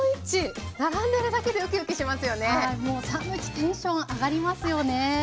もうサンドイッチテンション上がりますよね。